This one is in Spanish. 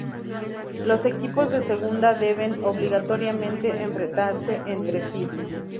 Los equipos de Segunda deben, obligatoriamente, enfrentarse entre sí.